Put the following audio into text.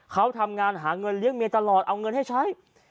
เขาทำงานหาเงินเลี้ยงเมียตลอดเอาเงินให้ใช้